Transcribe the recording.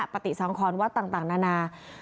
ปฏิสังครวัดต่างนานา